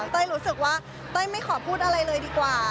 รู้สึกว่าเต้ยไม่ขอพูดอะไรเลยดีกว่า